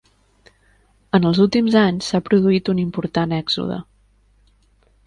En els últims anys, s'ha produït un important èxode.